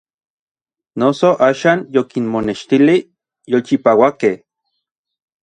Noso axan yokinmonextilij n yolchipauakej.